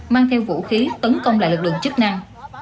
mang theo vũ khí tấn công lại lực lượng chức năng